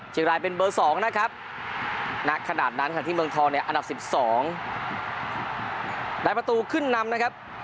เชียงรายเป็นเบอร์๒นะครับ